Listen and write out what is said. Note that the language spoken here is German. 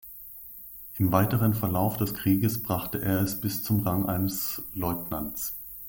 Im weiteren Verlauf des Krieges brachte er es bis zum Rang eines Leutnants.